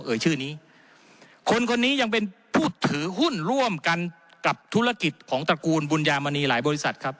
ชื่อนี้คนคนนี้ยังเป็นผู้ถือหุ้นร่วมกันกับธุรกิจของตระกูลบุญญามณีหลายบริษัทครับ